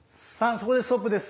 そこでストップです。